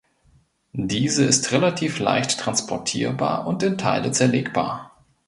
Diese ist relativ leicht transportierbar und in Teile zerlegbar.